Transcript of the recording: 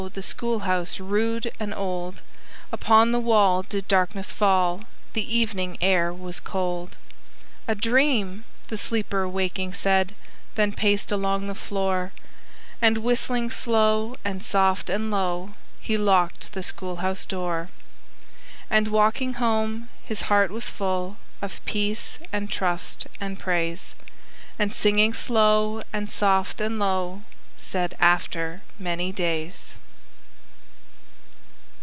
The schoolhouse rude and old; Upon the wall did darkness fall, The evening air was cold. "A dream!" the sleeper, waking, said, Then paced along the floor, And, whistling slow and soft and low, He locked the schoolhouse door. And, walking home, his heart was full Of peace and trust and praise; And singing slow and soft and low, Said, "After many days."